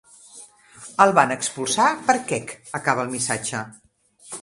El van expulsar per quec —acaba el missatge.